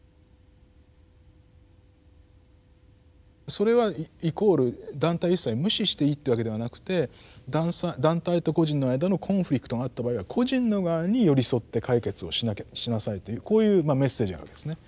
それはイコール団体を一切無視していいっていうわけではなくて団体と個人の間のコンフリクトがあった場合は個人の側に寄り添って解決をしなさいというこういうメッセージがあるんですね。